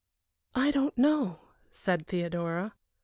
"I don't know," said Theodora.